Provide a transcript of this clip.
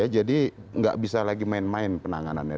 jadi tidak bisa lagi main main penanganannya